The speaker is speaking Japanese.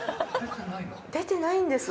出てないんです。